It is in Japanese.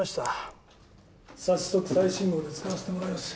早速最新号で使わせてもらいます。